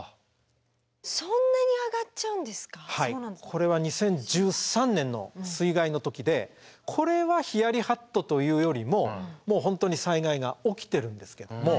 これは２０１３年の水害の時でこれはヒヤリハットというよりももう本当に災害が起きてるんですけども。